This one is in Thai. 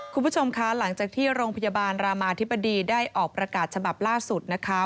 คุณผู้ชมคะหลังจากที่โรงพยาบาลรามาธิบดีได้ออกประกาศฉบับล่าสุดนะคะ